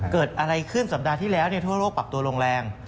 เกิดอะไรขึ้นสัปดาห์ที่แล้วทั่วโลกปรับตัวลงแรง